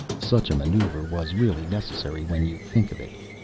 Such a maneuver was really necessary, when you think of it.